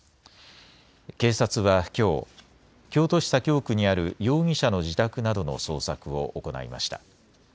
警察はきょう、京都市左京区にある容疑者の自宅などの捜索を行いました。